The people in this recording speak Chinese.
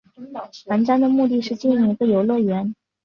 玩家的目的是经营一个游乐园。